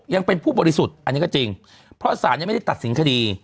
ยังเป็นผู้บริสุทธิ์อันนี้ก็จริงเพราะสารยังไม่ได้ตัดสินคดี